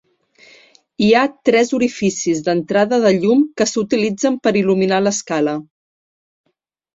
Hi ha tres orificis d'entrada de llum que s'utilitzen per il·luminar l'escala.